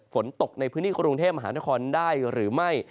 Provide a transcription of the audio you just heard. ฝนตกในพื้นที่กรุงเทพมหานครได้หรือไม่